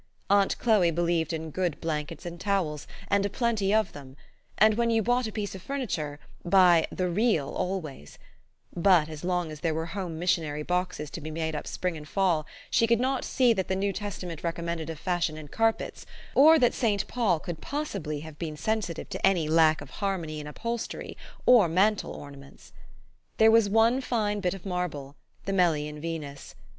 Aunt Chloe believed in good blan kets and towels, and a plenty of them ; and, when you bought a piece of furniture, bu}' "the real" always ; but, as long as there were home missionary boxes to be made up spring and fall, she could not see that the New Testament recommended a fashion in carpets, or that St. Paul could possibly have been sensitive to any lack of harmony in upholstery or mantel ornaments. There was one fine bit of marble, the Melian Venus.